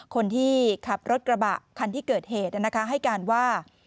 คนที่ขับรถกระบะคันที่เกิดเหตุให้การว่า